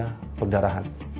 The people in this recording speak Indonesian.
pasti akan ada perdarahan